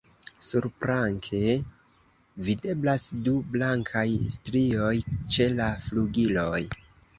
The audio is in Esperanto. Surplanke videblas du blankaj strioj ĉe la flugiloj.